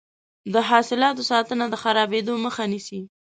د حاصلاتو ساتنه د خرابیدو مخه نیسي.